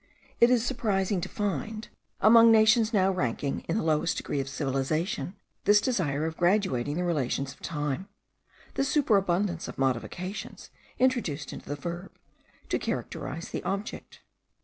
It is surprising to find, among nations now ranking in the lowest degree of civilization, this desire of graduating the relations of time, this superabundance of modifications introduced into the verb, to characterise the object.